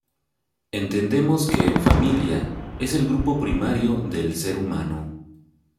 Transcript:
Entendemos que familia es el grupo primario del ser humano.